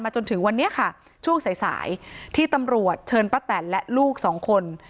จนถึงวันนี้ค่ะช่วงสายสายที่ตำรวจเชิญป้าแตนและลูกสองคน